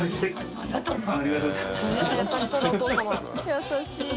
優しい。